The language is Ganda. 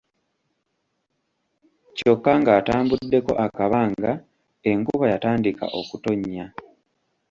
Kyokka ng'atambuddeko akabanga enkuba yatandika okutonnya.